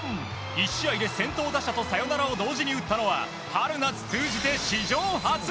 １試合で先頭打者とサヨナラを同時に打ったのは春夏通じて史上初！